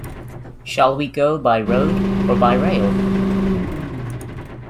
Shall we go by road or by rail?